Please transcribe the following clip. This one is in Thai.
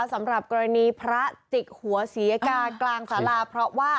สำหรับกรณีพระจิกหัวเสียกากลางสาราเพราะว่า